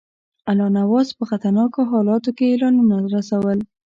الله نواز په خطرناکو حالاتو کې اعلانونه رسول.